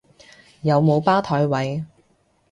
有冇吧枱位？